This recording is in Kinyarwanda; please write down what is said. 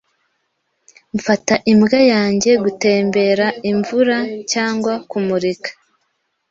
Mfata imbwa yanjye gutembera, imvura cyangwa kumurika.